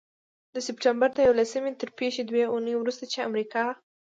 د سپټمبر د یوولسمې تر پيښو دوې اونۍ وروسته، چې امریکا